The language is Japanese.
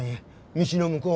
道の向こう？